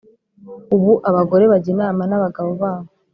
Ubu abagore bajya inama n’abagabo babo.